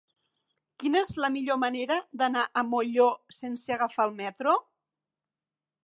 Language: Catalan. Quina és la millor manera d'anar a Molló sense agafar el metro?